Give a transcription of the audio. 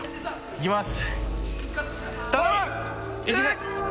いきます。